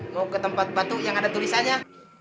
mau ke tempat batu yang ada tulisannya